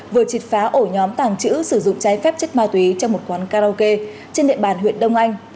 vừa triệt phá ổ nhóm tàng trữ sử dụng trái phép chất ma túy trong một quán karaoke trên địa bàn huyện đông anh